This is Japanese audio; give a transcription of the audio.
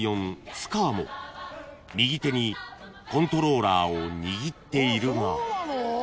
［右手にコントローラーを握っているが］